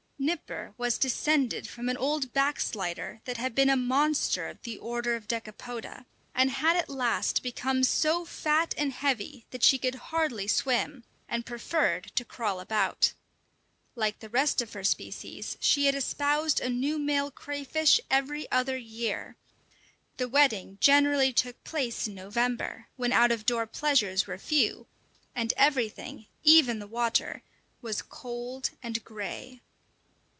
Nipper was descended from an old "backslider" that had been a monster of the order of Decapoda, and had at last become so fat and heavy that she could hardly swim, and preferred to crawl about. Like the rest of her species, she had espoused a new male crayfish every other year; the wedding generally took place in November, when out of door pleasures were few, and everything, even the water, was cold and grey.